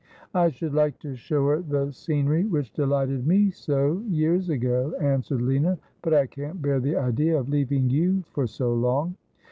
' I should like to show her the scenery which delighted me so years ago,' answered Lina ;' but I can't bear the idea of leaving you for so long.'